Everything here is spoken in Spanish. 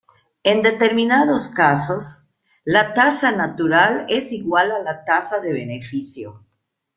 En determinados casos, la tasa natural es igual a la tasa de beneficio.